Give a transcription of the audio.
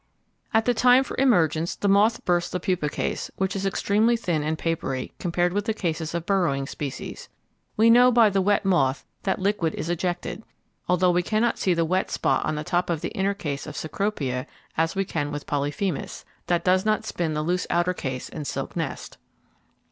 At time for emergence the moth bursts the pupa case, which is extremely thin and papery compared with the cases of burrowing species. We know by the wet moth that liquid is ejected, although we cannot see the wet spot on the top of the inner case of Cecropia as we can with Polyphemus, that does not spin the loose outer case and silk nest.